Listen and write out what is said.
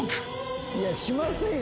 いやしませんよ